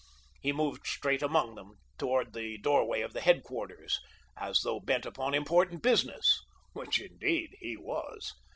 He moved straight among them toward the doorway of the headquarters as though bent upon important business—which, indeed, he was.